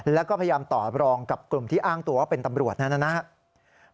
แล้วก็พยายามตอบรองกับกลุ่มที่อ้างตัวว่าเป็นตำรวจนะครับ